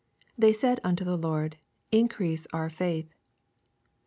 They said unto the Lord, * Increase our faith."